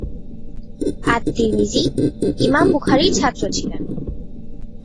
আত-তিরমিজি ইমাম বুখারীর ছাত্র ছিলেন।